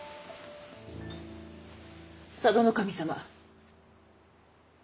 佐渡守様。